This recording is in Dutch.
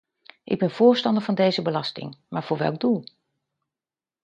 Ik ben voorstander van deze belasting, maar voor welk doel?